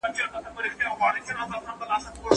که ماشوم ته ډاډ ورکړل شي نو نه وېرېږي.